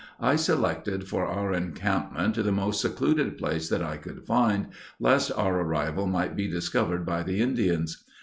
I selected for our encampment the most secluded place that I could find, lest our arrival might be discovered by the Indians.